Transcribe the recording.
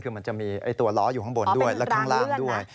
คือมันจะมีตัวล้ออยู่ข้างบนด้วยและข้างล่างด้วย